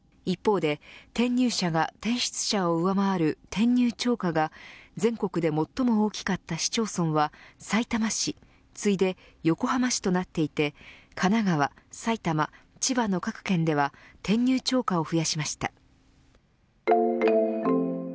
一方で、転入者が転出者を上回る転入超過が全国で最も大きかった市町村はさいたま市、ついで横浜市となっていて神奈川、埼玉、千葉の各県では転入超過を増やしました。